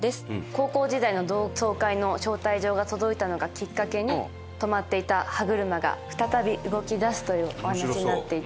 高校時代の同窓会の招待状が届いたのがきっかけに止まっていた歯車が再び動き出すというお話になっていて。